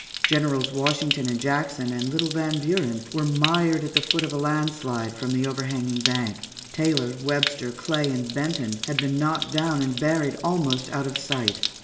Generals Washington and Jackson, and little Van Buren were mired at the foot of a land slide from the overhanging bank. Taylor, Webster, Clay, and Benton had been knocked down and buried almost out of sight.